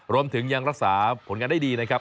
รวมถึงยังรักษาผลงานได้ดีนะครับ